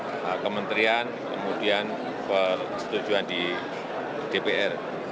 kemudian kementerian kemudian kesetujuan di dpr